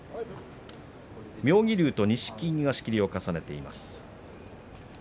妙義龍と錦木仕切りを重ねています。